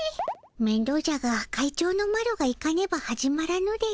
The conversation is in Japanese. めんどうじゃが会長のマロが行かねば始まらぬでの。